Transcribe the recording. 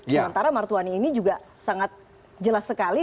sementara martuani ini juga sangat jelas sekali